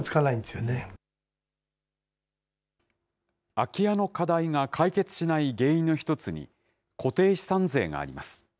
空き家の課題が解決しない原因の一つに、固定資産税があります。